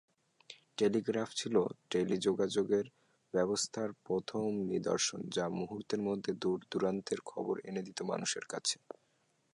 Telegraph ছিল টেলিযোগাযোগ ব্যবস্থার প্রথম নিদর্শন যা মুহুর্তের মধ্যে দূর-দূরান্তের খবর এনে দিত মানুষের কাছে।